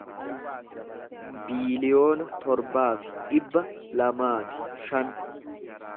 biiliyoona torbaa fi dhibba lamaa fi shan